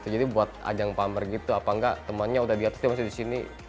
jadi buat ajang pamer gitu apa enggak temannya udah di atas dia masih di sini